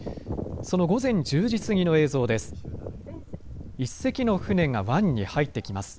その午前１０時過ぎの映像です。